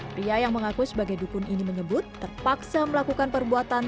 pria yang mengaku sebagai dukun ini menyebut terpaksa melakukan perbuatan